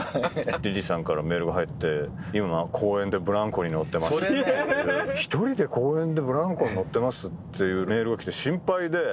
リリーさんからメールが入って「今公園でブランコに乗ってます」「１人で公園でブランコ乗ってます」っていうメールが来て心配で。